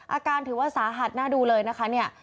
อาการถือว่าสาหัสน่าดูเลยนะคะเนี่ย